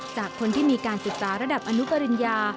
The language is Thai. จากคนที่มีการศึกษาระดับอนุปริญญา